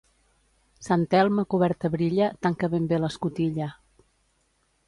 Sant Elm a coberta brilla, tanca ben bé l'escotilla.